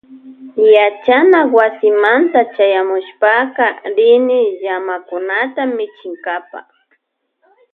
Yachana wasimanta chayamushpaka rini llamakunata michinkapa.